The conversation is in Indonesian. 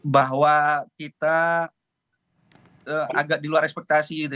bahwa kita agak diluar ekspektasi